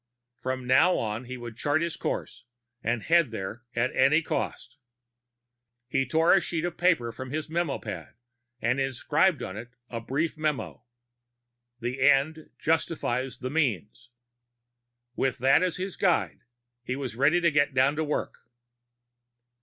From now on, he would chart his course and head there at any cost. He tore a sheet of paper from his memo pad and inscribed on it a brief motto: The ends justify the means! With that as his guide, he was ready to get down to work.